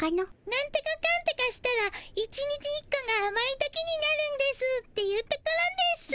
なんとかかんとかしたら１日１個があまい時になるんですっていうところですぅ。